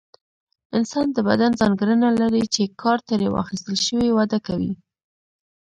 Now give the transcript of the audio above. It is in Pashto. انسان د بدن ځانګړنه لري چې کار ترې واخیستل شي وده کوي.